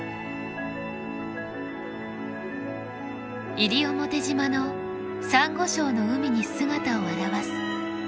西表島のサンゴ礁の海に姿を現す大きな座礁船。